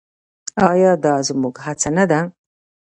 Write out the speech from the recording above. آیا دا زموږ هڅه نه ده؟